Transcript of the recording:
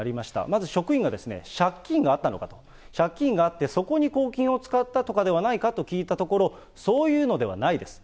まず職員が借金があったのかと、借金があって、そこに公金を使ったとかではないかと聞いたところ、そういうのではないです。